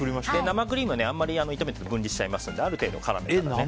生クリームはあんまり炒めると分離しちゃいますのである程度絡めて。